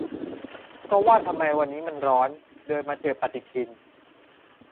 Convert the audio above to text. ก็ว่าทำไมวันนี้มันร้อน เดินมาเจอปฏิทิน